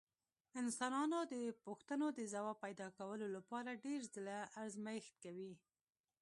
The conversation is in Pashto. انسانان د پوښتنو د ځواب پیدا کولو لپاره ډېر ځله ازمېښت کوي.